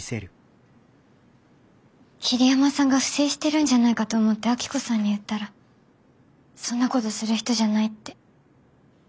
桐山さんが不正してるんじゃないかと思って明子さんに言ったら「そんなことする人じゃない」って。